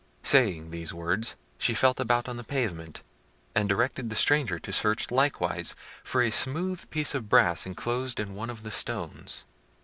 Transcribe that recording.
Saying these words, she felt about on the pavement, and directed the stranger to search likewise, for a smooth piece of brass enclosed in one of the stones.